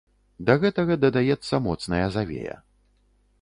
Да гэтага дадаецца моцная завея.